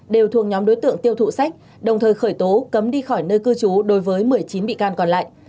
đều thuộc nhóm đối tượng tiêu thụ sách đồng thời khởi tố cấm đi khỏi nơi cư trú đối với một mươi chín bị can còn lại